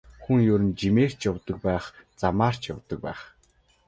Хүн ер нь жимээр ч явдаг байх, замаар ч явдаг л байх.